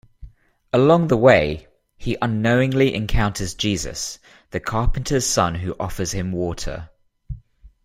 Along the way, he unknowingly encounters Jesus, the carpenter's son who offers him water.